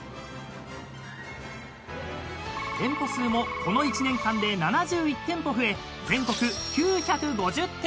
［店舗数もこの１年間で７１店舗増え全国］